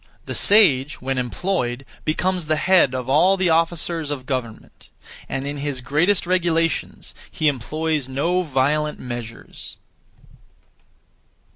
The sage, when employed, becomes the Head of all the Officers (of government); and in his greatest regulations he employs no violent measures.